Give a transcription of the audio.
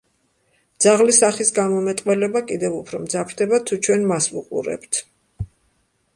ძაღლის სახის გამომეტყველება კიდევ უფრო მძაფრდება, თუ ჩვენ მას ვუყურებთ.